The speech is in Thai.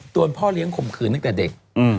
๑โดนพ่อเลี้ยงขหมคืนนักแต่เด็ก